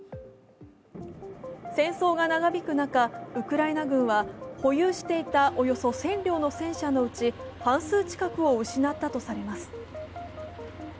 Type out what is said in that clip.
戦争が長引く中、ウクライナ軍は、保有していたおよそ１０００両の戦車のうち半数近くを失ったされます。